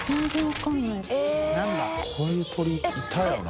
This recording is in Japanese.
こういう鳥いたよな。